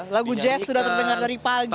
lagu jazz sudah terdengar dari pagi